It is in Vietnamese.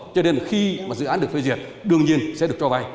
cho nên khi mà dự án được phê duyệt đương nhiên sẽ được cho vay